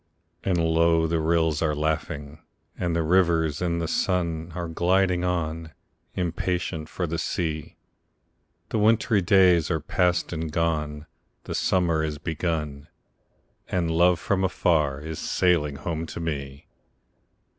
And low the rills are laughing, and the rivers in the sun Are gliding on, impatient for the sea; The wintry days are past and gone, the summer is begun, And love from far is sailing home to me!